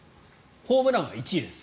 ホームランは１位です。